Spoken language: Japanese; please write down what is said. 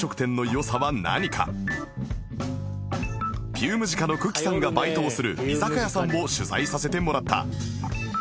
ピウムジカの久喜さんがバイトをする居酒屋さんを取材させてもらった